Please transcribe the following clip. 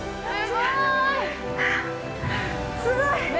◆すごい。